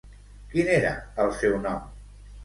Quin era el seu nom?